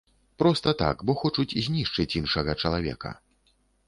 Проста так, бо хочуць знішчыць іншага чалавека.